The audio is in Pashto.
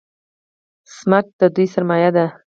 سمت د دوی سرمایه ده.